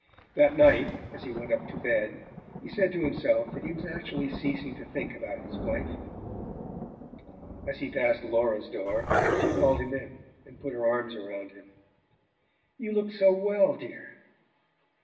That night as he went up to bed he said to himself that he was actually ceasing to think about his wife... As he passed Laura's door she called him in, and put her arms about him. "You look so well, dear!"